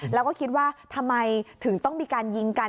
แล้วก็คิดว่าทำไมถึงต้องมีการยิงกัน